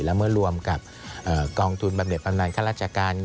และเมื่อรวมกับกองทุนบำเด็ดประมาณข้าราชการ